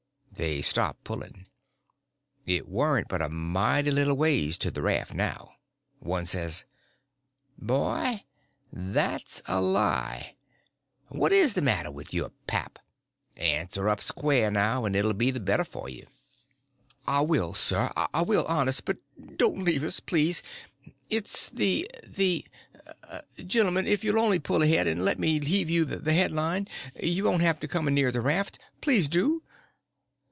They stopped pulling. It warn't but a mighty little ways to the raft now. One says: "Boy, that's a lie. What is the matter with your pap? Answer up square now, and it'll be the better for you." "I will, sir, I will, honest—but don't leave us, please. It's the—the—Gentlemen, if you'll only pull ahead, and let me heave you the headline, you won't have to come a near the raft—please do."